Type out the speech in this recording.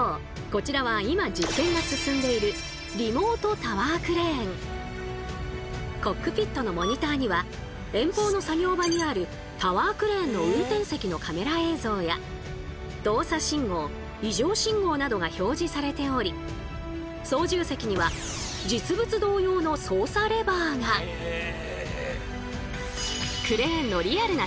こちらは今実験が進んでいるコックピットのモニターには遠方の作業場にあるタワークレーンの運転席のカメラ映像や動作信号・異常信号などが表示されており操縦席には実物同様の操作レバーが。はい。